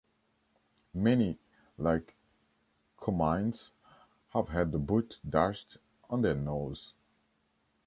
Many, like Comines, have had the boot dashed on their nose.